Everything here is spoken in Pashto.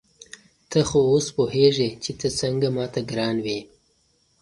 ته خو اوس پوهېږې چې ته څنګه ما ته ګران وې.